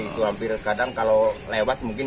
itu hampir kadang kalau lewat mungkin